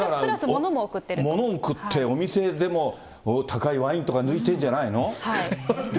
物贈って、お店でも高いワインとか抜いてるんじゃないの。